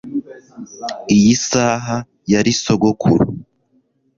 iyi saha yari sogokuru